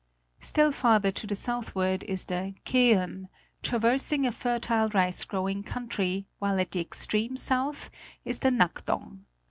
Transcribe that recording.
Still farther to the southward is the Keum, traversing a fertile rice growing country, while at the extreme south is the Korea and the Koreans.